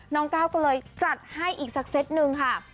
ก้าวก็เลยจัดให้อีกสักเซตหนึ่งค่ะ